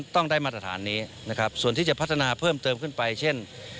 ที่จะพัฒนาเพิ่มเติมขึ้นไปเช่น